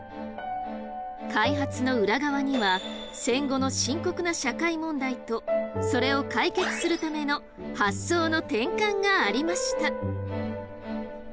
開発の裏側には戦後の深刻な社会問題とそれを解決するための発想の転換がありました。